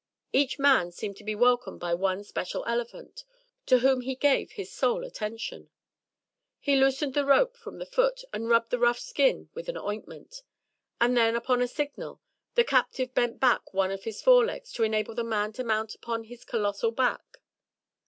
Each man seemed to be welcomed by one special elephant to whom he gave his sole attention. He loosened the rope from the foot, and rubbed the rough skin with an ointment, and then, upon a signal, the captive bent back one of his fore legs to enable the man to mount upon his colossal back.